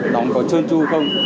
nó có trơn tru không